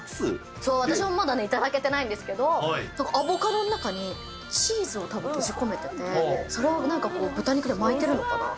そう、私もまだね、頂けてないんですけど、アボカドの中にチーズを閉じ込めてて、それをなんかこう、豚肉で巻いてるのかな。